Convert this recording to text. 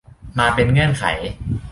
มาเป็นเงื่อนไข